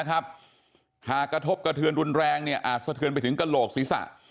หากกระทบกระเทือนรุนแรงอาจสะเทือนไปถึงกระโหลกศีรษะ